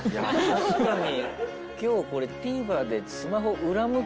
確かに！